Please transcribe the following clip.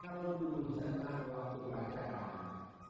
kalau berdua bersenang waktu berangkat